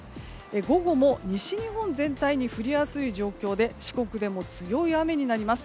午後も西日本全体に降りやすい状況で四国でも強い雨になります。